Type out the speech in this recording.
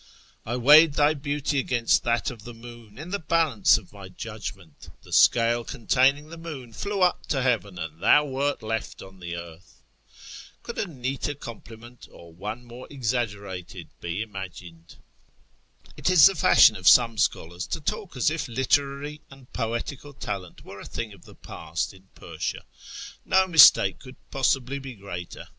" I weighed thy beauty against that of the moon in tlie balance of my judgment : The scale containing the moon flew up to heaven, and thou wert left on the earth !" Ii8 A YEAR AMONGST THE PERSIANS Could a neater compliment, or one mure exaggerated, be inia'jfined ;" It is the fashion with some scholars to talk as il' literary and iHietical talent were a thing of the past in I'ersia. No mistake could possibly be greater.